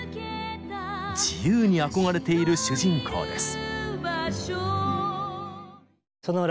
自由に憧れている主人公です。